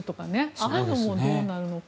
ああいうのもどうなるのか。